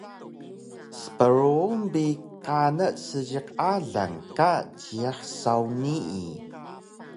Spruun bi kana seejiq alang ka jiyax saw nii